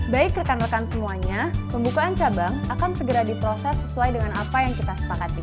baik rekan rekan semuanya pembukaan cabang akan segera diproses sesuai dengan apa yang kita sepakati